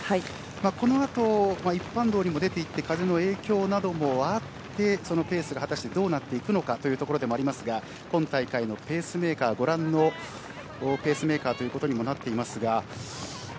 このあと一般道にも出ていって風の影響などもあってそのペースが果たしてどうなっていくのかというところでもありますが今大会のペースメーカー、ご覧のペースメーカーということにもなっていますが。